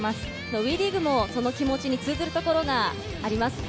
ＷＥリーグも、その気持ちに通ずるところがあります。